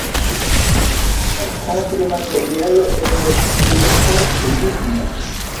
La konstrumaterialo estas plejparte ligno.